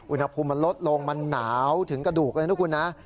อุณหภูมิมันลดลงมันหนาวถึงกระดูกเลยนะคุณนะ